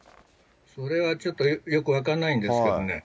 それはちょっとよく分からないんですけどね。